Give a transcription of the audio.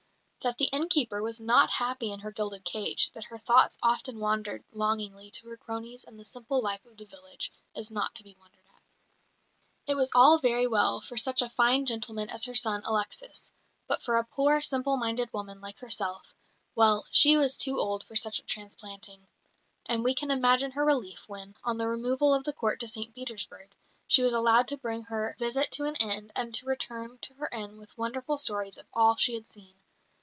That the innkeeper was not happy in her gilded cage, that her thoughts often wandered longingly to her cronies and the simple life of the village, is not to be wondered at. It was all very well for such a fine gentleman as her son, Alexis; but for a poor, simple minded woman like herself well, she was too old for such a transplanting. And we can imagine her relief when, on the removal of the Court to St Petersburg, she was allowed to bring her visit to an end and to return to her inn with wonderful stories of all she had seen.